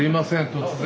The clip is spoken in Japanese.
突然。